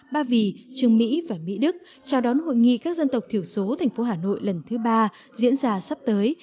ba vì trường mỹ và mỹ đức chào đón hội nghị các dân tộc thiểu số thành phố hà nội lần thứ ba diễn ra sắp tới